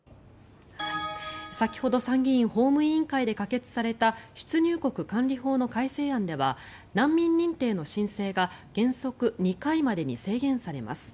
先ほど参議院法務委員会で可決された出入国管理法の改正案では難民認定の申請が原則２回までに制限されます。